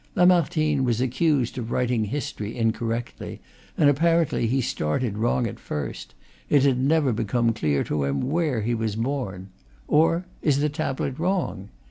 Lamartine was accused of writing history incorrectly, and apparently he started wrong at first: it had never become clear to him where he was born. Or is the tablet wrong?